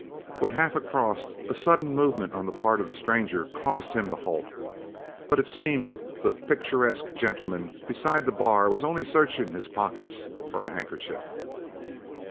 When half across, a sudden movement on the part of the stranger caused him to halt. But it seemed the picturesque gentleman beside the bar was only searching his pockets for a handkerchief.